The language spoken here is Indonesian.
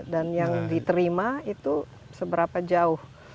dan yang diterima itu seberapa jauh